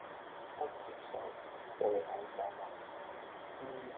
不接受報刊訪問